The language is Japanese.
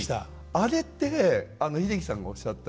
あれって英樹さんがおっしゃった